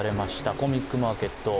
コミックマーケット。